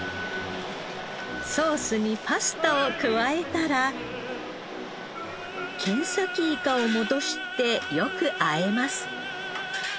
ソースにパスタを加えたらケンサキイカを戻してよくあえます。